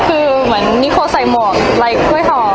คือเหมือนนิโคใส่หมวกไร้กล้วยหอม